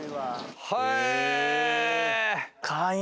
へえ。